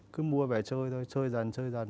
cứ mua về chơi thôi chơi dần chơi dần